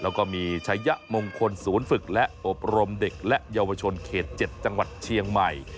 แล้วก็มีชัยมงคลศูนย์ฝึกและอบรมเด็กและเยาวชนเขต๗จังหวัดเชียงใหม่